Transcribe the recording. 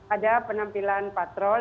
ada penampilan patrol